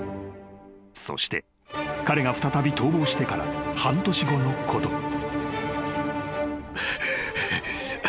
［そして彼が再び逃亡してから半年後のこと］